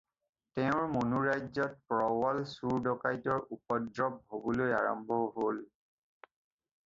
তেওঁৰ মনো-ৰাজ্যত প্ৰৱল চোৰ-ডকাইতৰ উপদ্ৰৱ হ'বলৈ আৰম্ভ হ'ল।